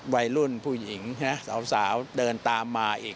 วัยรุ่นผู้หญิงสาวเดินตามมาอีก